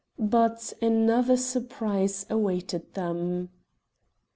But another surprise awaited them.